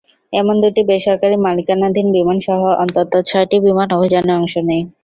এদিন দুটি বেসরকারি মালিকানাধীন বিমানসহ অন্তত ছয়টি বিমান অভিযানে অংশ নেয়।